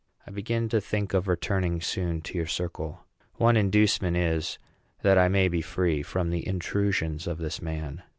I begin to think of returning soon to your circle. One inducement is, that I may be free from the intrusions of this man.